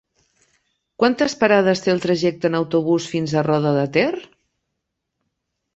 Quantes parades té el trajecte en autobús fins a Roda de Ter?